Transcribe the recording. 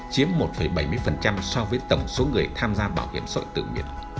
chiếm một bảy mươi so với tổng số người tham gia bảo hiểm xã hội tự nhiên